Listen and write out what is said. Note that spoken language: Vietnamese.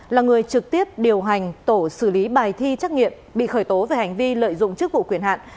là người trực tiếp điều hành tổ xử lý bài thi trắc nghiệm bị khởi tố về hành vi lợi dụng chức vụ quyền hạn